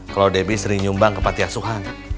kalo debi sering nyumbang ke patiasuhan